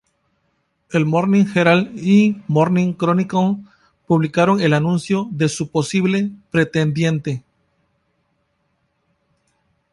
El "Morning Herald" y "Morning Chronicle" publicaron el anuncio de su posible pretendiente.